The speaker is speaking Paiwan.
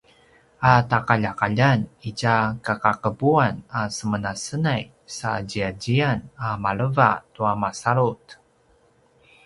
a taqaljaqaljan itja kakaqepuan a semenasenay sa ziyaziyan a maleva tua masalut